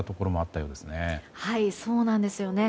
そうなんですよね。